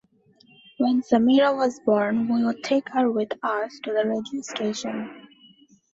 When Samira was born, we'd take her with us to the radio station.